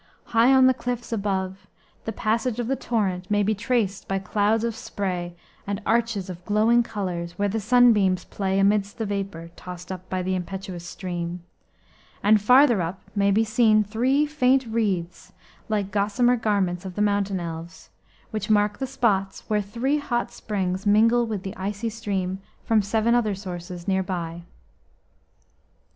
High on the cliffs above, the passage of the torrent may be traced by clouds of spray and arches of glowing colours where the sunbeams play amidst the vapour tossed up by the impetuous stream; and farther up may be seen three faint wreaths, like gossamer garments of the mountain elves, which mark the spots where three hot springs mingle with the icy stream from seven other sources near by.